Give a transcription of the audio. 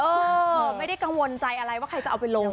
เออไม่ได้กังวลใจอะไรว่าใครจะเอาไปลง